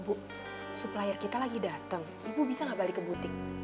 bu supplier kita lagi datang ibu bisa nggak balik ke butik